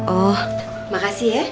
oh makasih ya